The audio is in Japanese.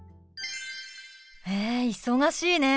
へえ忙しいね。